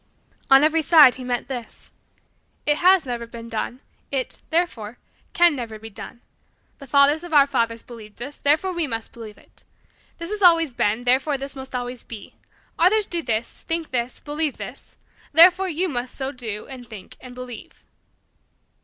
On every side he met this: "It has never been done; it, therefore, can never be done. The fathers of our fathers believed this, therefore we must believe it. This has always been, therefore this must always be. Others do this, think this, believe this, therefore you must so do and think and believe."